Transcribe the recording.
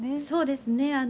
そうですね。